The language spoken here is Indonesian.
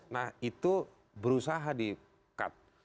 nah itu berusaha di cut